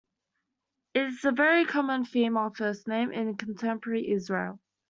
It is a very common female first name in contemporary Israel.